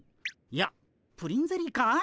いやプリンゼリーか？